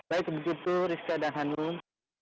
baik begitu rizka dan hanum